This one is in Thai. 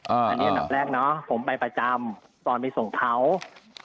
อันนี้อันดับแรกเนาะผมไปประจำตอนไปส่งเขา